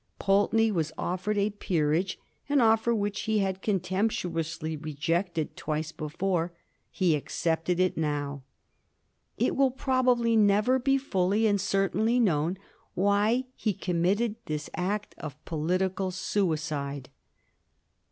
Pulteney was offered a peerage, an offer which he had contemptuously rejected twice before. He accepted it now. It will probably never be fully and certainly known why he committed this act of political suicide.